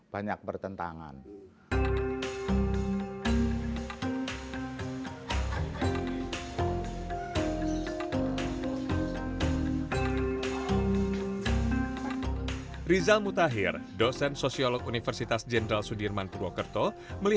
makan bambu diatasnya pakai tali